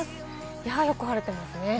よく晴れてますね。